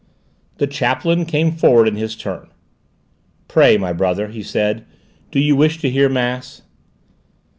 The chaplain came forward in his turn. "Pray, my brother," he said; "do you wish to hear mass?"